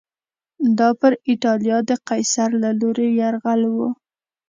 دا پر اېټالیا د قیصر له لوري یرغل و